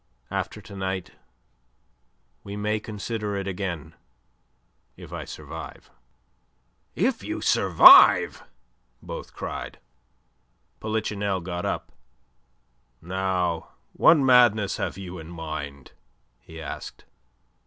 After to night we may consider it again, if I survive." "If you survive?" both cried. Polichinelle got up. "Now, what madness have you in mind?" he asked.